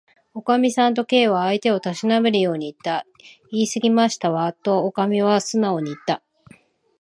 「おかみさん」と、Ｋ は相手をたしなめるようにいった。「いいすぎましたわ」と、おかみはすなおにいった。